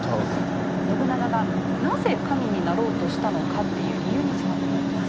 信長がなぜ神になろうとしたのかっていう理由に迫ってまいります。